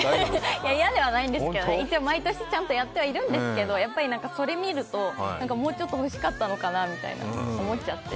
いや、嫌ではないんですけど一応毎年ちゃんとやってはいるんですけど、やっぱりそれ見るともうちょっと欲しかったのかなと思っちゃって。